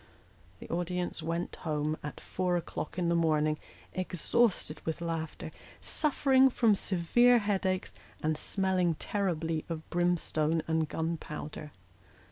The audience went home at four o'clock in the morning, exhausted with laughter, suffering from severe headaches, and smelling terribly of brimstone and gunpowder.